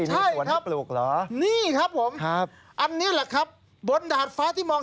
ใช่ครับนี่ครับผมอันนี้แหละครับบนดาดฟ้าที่มอง